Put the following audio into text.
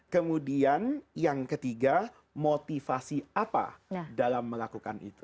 kemudian yang ketiga motivasi apa dalam melakukan itu